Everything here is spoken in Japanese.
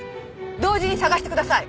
同時に捜してください。